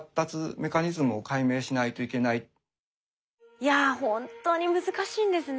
いや本当に難しいんですね